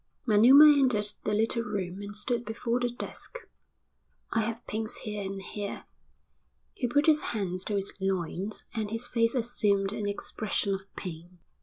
Manuma entered the little room and stood before the desk. "I have pains here and here." He put his hands to his loins and his face assumed an expression of pain.